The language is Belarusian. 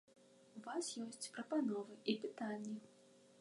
У вас ёсць прапановы і пытанні.